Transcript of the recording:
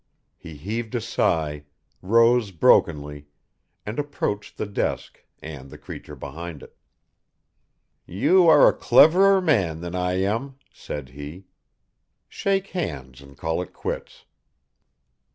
He heaved a sigh, rose brokenly, and approached the desk, and the creature behind it. "You are a cleverer man than I am," said he, "shake hands and call it quits."